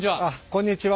こんにちは。